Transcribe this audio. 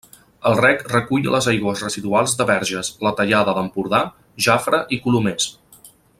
El rec recull les aigües residuals de Verges, la Tallada d'Empordà, Jafre i Colomers.